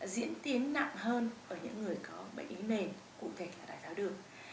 diễn tiến nặng hơn ở những người có bệnh lý nền cụ thể là đại tá đường